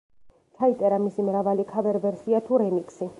ჩაიწერა მისი მრავალი ქავერ-ვერსია თუ რემიქსი.